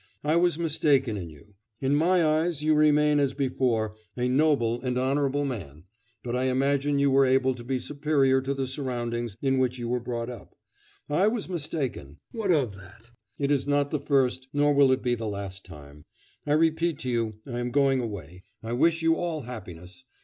I was mistaken in you. In my eyes you remain as before a noble and honourable man, but I imagined you were able to be superior to the surroundings in which you were brought up. I was mistaken. What of that? It is not the first, nor will it be the last time. I repeat to you, I am going away. I wish you all happiness.